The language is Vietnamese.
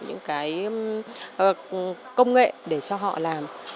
những cái công nghệ để cho họ làm